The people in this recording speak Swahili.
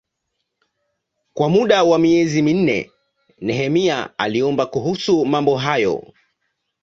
Kwa muda wa miezi minne Nehemia aliomba kuhusu mambo hayo.